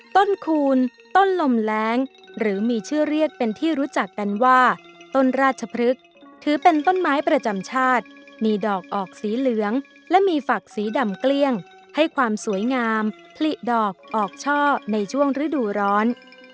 คูณต้นลมแรงหรือมีชื่อเรียกเป็นที่รู้จักกันว่าต้นราชพฤกษ์ถือเป็นต้นไม้ประจำชาติมีดอกออกสีเหลืองและมีฝักสีดำเกลี้ยงให้ความสวยงามผลิดอกออกช่อในช่วงฤดูร้อน